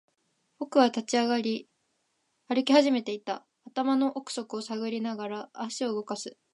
僕は立ち上がり、歩き始めていた。頭の奥底を探りながら、足を動かす。